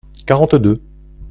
Quarante-deux.